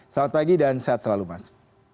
selamat pagi dan sehat selalu mas